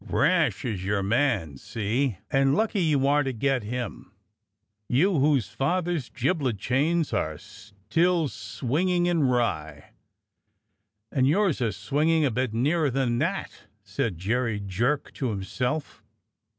Rash is your man, see.^ and lucky you are to get him; you whose father's gibbet chains are still swinging in Rye." "And yours are swinging a bit nearer than that!'* said Jerry Jerk to himself.